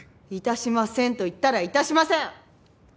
致しませんと言ったら致しません！